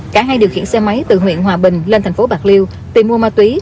cả hai điều khiển xe máy từ huyện hòa bình lên tp bạc liêu tìm mua ma túy